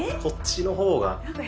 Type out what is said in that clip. こっちの方が。